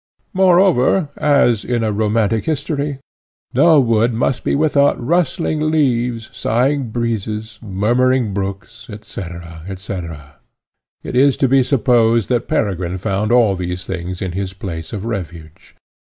Moreover, as in a romantic history no wood must be without rustling leaves, sighing breezes, murmuring brooks, &c. &c. it is to be supposed that Peregrine found all these things in his place of refuge.